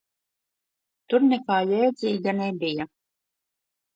Tur nekā jēdzīga nebija.